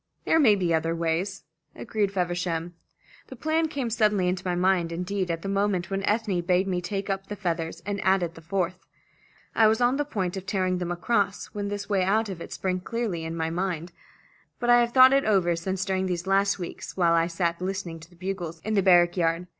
There may be other ways," agreed Feversham. "The plan came suddenly into my mind, indeed at the moment when Ethne bade me take up the feathers, and added the fourth. I was on the point of tearing them across when this way out of it sprang clearly up in my mind. But I have thought it over since during these last weeks while I sat listening to the bugles in the barrack yard.